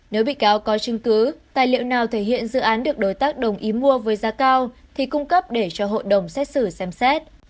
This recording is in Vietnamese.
nếu bị cáo có chứng cứ tài liệu nào thể hiện dự án được đối tác đồng ý mua với giá cao thì cung cấp để cho hội đồng xét xử xem xét